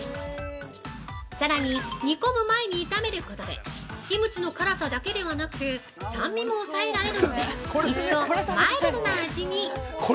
◆さらに、煮込む前に炒めることでキムチの辛さだけではなく酸味も抑えられるので一層マイルドな味に。